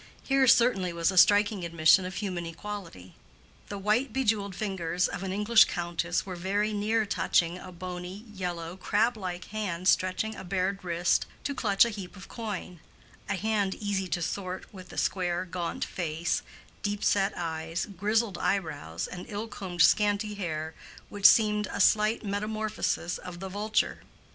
Here certainly was a striking admission of human equality. The white bejewelled fingers of an English countess were very near touching a bony, yellow, crab like hand stretching a bared wrist to clutch a heap of coin—a hand easy to sort with the square, gaunt face, deep set eyes, grizzled eyebrows, and ill combed scanty hair which seemed a slight metamorphosis of the vulture.